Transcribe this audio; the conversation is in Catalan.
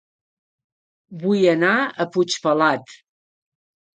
Vull anar a Puigpelat